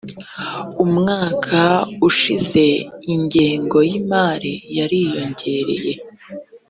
mu mwaka ushize ingengo y’imari yariyongereye